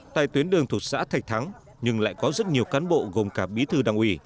tại tuyến đường thuộc xã thạch thắng nhưng lại có rất nhiều cán bộ gồm cả bí thư đảng ủy